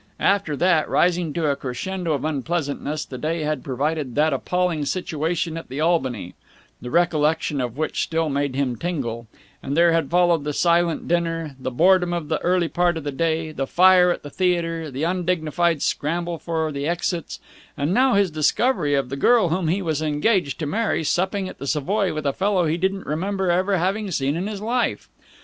After that, rising to a crescendo of unpleasantness, the day had provided that appalling situation at the Albany, the recollection of which still made him tingle; and there had followed the silent dinner, the boredom of the early part of the play, the fire at the theatre, the undignified scramble for the exits, and now this discovery of the girl whom he was engaged to marry supping at the Savoy with a fellow he didn't remember ever having seen in his life.